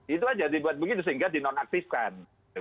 itu aja dibuat begitu sehingga dinonaktifkan